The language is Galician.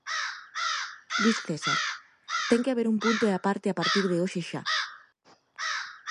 Luís César: Ten que haber un punto e aparte a partir de hoxe xa.